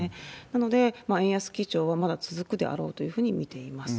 なので、円安基調はまだ続くであろうというふうに見ています。